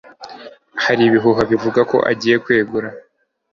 Hari ibihuha bivuga ko agiye kwegura